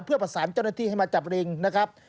เพื่อประสานเจ้าหน้าที่ให้มาจับริงนะครับ